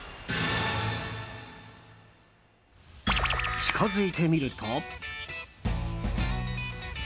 近づいてみると。